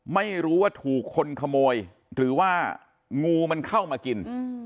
ไม่รู้ว่าถูกคนขโมยหรือว่างูมันเข้ามากิน